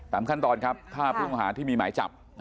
ขั้นตอนครับถ้าผู้ต้องหาที่มีหมายจับ